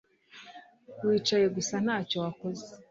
Wicaye gusa ntacyo wakoze